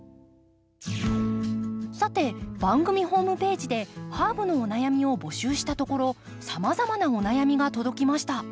さて番組ホームページでハーブのお悩みを募集したところさまざまなお悩みが届きました。